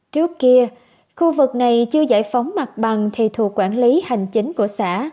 trước kia khu vực này chưa giải phóng mặt bằng thầy thù quản lý hành chính của xã